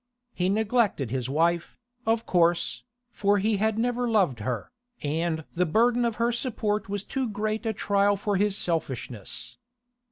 He neglected his wife, of course, for he had never loved her, and the burden of her support was too great a trial for his selfishness.